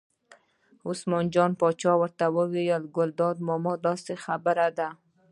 عثمان جان پاچا ورته وویل: ګلداد ماما داسې خبره ده.